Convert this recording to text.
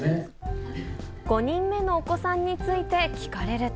５人目のお子さんについて聞かれると。